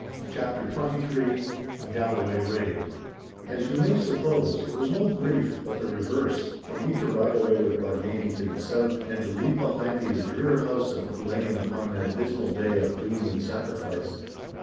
*CHAPTER XXIII* *A GALLOWAY RAID* As you may suppose, it was no grief, but the reverse, for me to ride away with Bargany to the South, and leave behind me the drear house of Culzean upon that dismal day of doom and sacrifice.